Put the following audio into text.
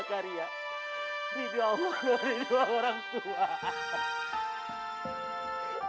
hidup allah hidup orang tua